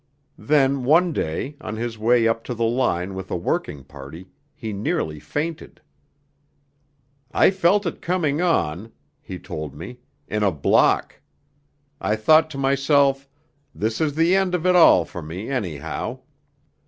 Then one day, on his way up to the line with a working party, he nearly fainted. 'I felt it coming on,' he told me, 'in a block. I thought to myself, "This is the end of it all for me, anyhow."